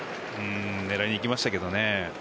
狙いにいきましたけどね。